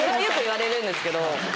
よく言われるんですけど。